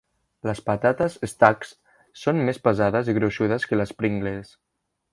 Les patates Stax són més pesades i gruixudes que les Pringles.